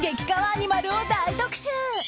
アニマルを大特集。